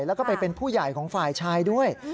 แล้วก็ไปเป็นผู้ใหญ่ของฝ่ายชายด้วย